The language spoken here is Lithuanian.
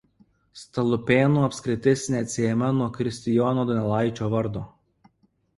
Stalupėnų apskritis neatsiejama nuo Kristijono Donelaičio vardo.